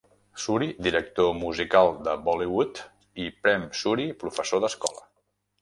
Suri, director musical de Bollywood, i Prem Suri, professor d'escola.